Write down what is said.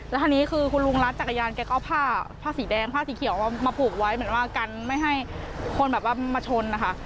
แล้วทีนี้คือคุณลุงรัดจักรยานแกก็เอาผ้าผ้าสีแดงผ้าสีเขียวมาผูกไว้เหมือนว่ากันไม่ให้คนแบบว่ามาชนนะคะ